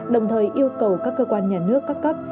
đồng thời yêu cầu các cơ quan nhà nước các cấp